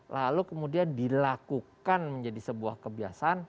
lalu kemudian dilakukan menjadi sebuah kebiasaan